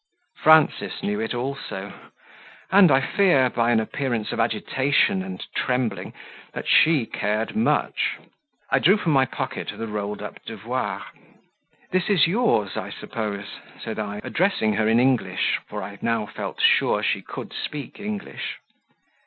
Frances knew it also, and, I fear, by an appearance of agitation and trembling, that she cared much. I drew from my pocket the rolled up devoir. "This is yours, I suppose?" said I, addressing her in English, for I now felt sure she could speak English.